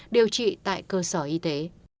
điều trị tại cơ sở y tế